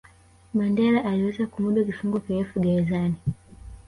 Mandela aliweza kumudu kifungo kirefu gerezani